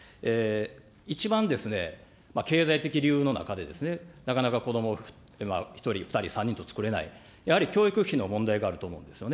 一番経済的理由の中で、なかなか子どもを１人、２人、３人と作れない、やはり教育費の問題があると思うんですよね。